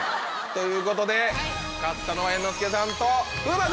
ということで勝ったのは猿之助さんと風磨君です！